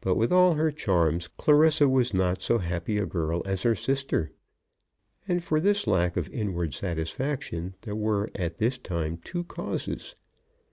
But with all her charms, Clarissa was not so happy a girl as her sister. And for this lack of inward satisfaction there were at this time two causes.